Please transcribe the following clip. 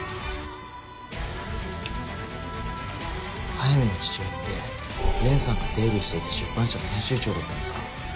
速水の父親って蓮さんが出入りしていた出版社の編集長だったんですか？